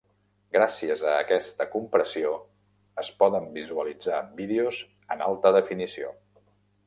Gràcies a aquesta compressió, es poden visualitzar vídeos en alta definició.